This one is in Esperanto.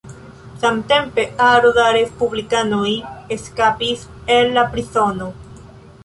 Samtempe aro da respublikanoj eskapis el la prizono.